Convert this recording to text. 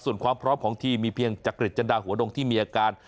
ส่วนความพร้อมของทีมมีเพียงจักริจจันดาหัวดงที่มีอาการ